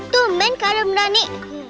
tuh main keren berani